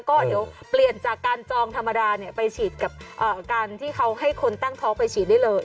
ก็เดี๋ยวเปลี่ยนจากการจองธรรมดาไปฉีดกับการที่เขาให้คนตั้งท้องไปฉีดได้เลย